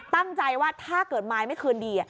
ตั้งใจว่าถ้าเกิดมายไม่คืนดี